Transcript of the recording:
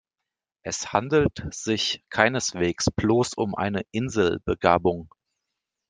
Es handelt sich keineswegs bloß um eine Inselbegabung.